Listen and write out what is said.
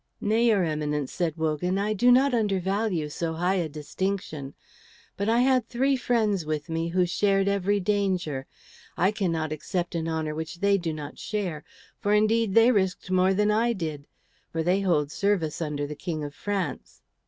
"Nay, your Eminence," said Wogan, "I do not undervalue so high a distinction. But I had three friends with me who shared every danger. I cannot accept an honour which they do not share; for indeed they risked more than I did. For they hold service under the King of France."